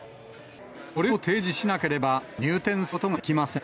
これを提示しなければ、入店することができません。